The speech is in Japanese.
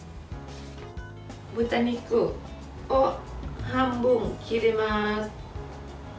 豚肉を半分に切ります。